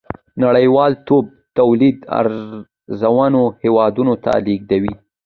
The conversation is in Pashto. نړۍوالتوب تولید ارزانو هېوادونو ته لېږدوي.